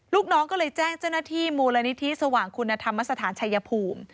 ลูกน้องก็เลยแจ้งเจ้าหน้าที่มูลนิธิสว่างคุณธรรมสถานชายภูมิ